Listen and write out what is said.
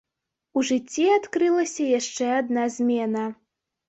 У жыцці адкрылася яшчэ адна змена.